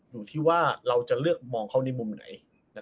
อยู่ที่ว่าเราจะเลือกมองเขาในมุมไหน